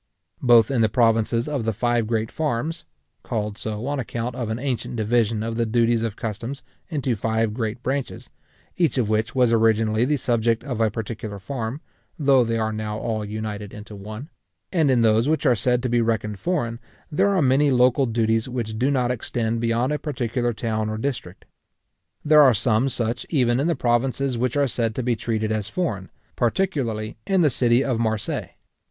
Both in the provinces of the five great farms (called so on account of an ancient division of the duties of customs into five great branches, each of which was originally the subject of a particular farm, though they are now all united into one), and in those which are said to be reckoned foreign, there are many local duties which do not extend beyond a particular town or district. There are some such even in the provinces which are said to be treated as foreign, particularly in the city of Marseilles.